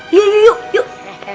yuk yuk yuk